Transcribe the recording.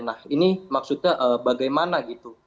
nah ini maksudnya bagaimana gitu